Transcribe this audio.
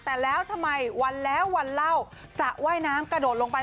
แต่แล้วทำไมวันแล้ววันเล่าสระว่ายน้ำกระโดดลงไป